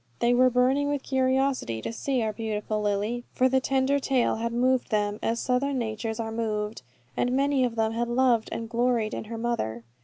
They were burning with curiosity to see our beautiful Lily, for the tender tale had moved them, as Southern natures are moved; and many of them had loved and gloried in her mother.